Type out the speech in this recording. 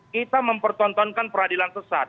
kita mempertontonkan peradilan sesat